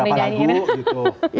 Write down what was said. berapa lagu gitu